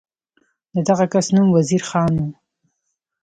د دغه کس نوم وزیر خان و.